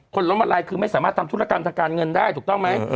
ล้มมาลัยคือไม่สามารถทำธุรกรรมทางการเงินได้ถูกต้องไหม